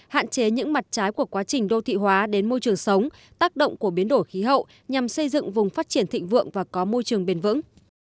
hạn chế những mặt trái của quá trình đô thị hóa đến môi trường sống tác động của biến đổi khí hậu nhằm xây dựng vùng phát triển thịnh vượng và có môi trường bền vững